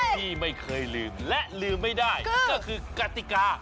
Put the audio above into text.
ที่ไม่เคยลืมและลืมไม่ได้ก็คือกติกา